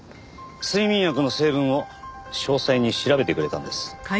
睡眠薬の成分を詳細に調べてくれたんです。